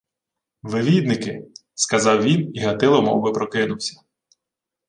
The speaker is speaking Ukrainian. — Вивідники, — сказав він, і Гатило мовби прокинувся.